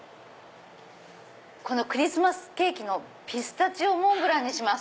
このクリスマスケーキのピスタチオモンブランにします。